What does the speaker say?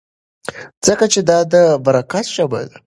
ځکه چې دا د برکت ژبه ده.